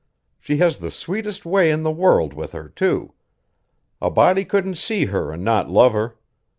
She has the sweetest way in the world with her, too. A body couldn't see her an' not love her.